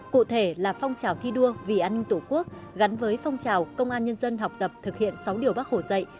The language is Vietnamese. cụ thể là phong trào thi đua vì an ninh tổ quốc gắn với phong trào công an nhân dân học tập thực hiện sáu điều bác hồ dạy